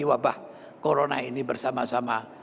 wabah corona ini bersama sama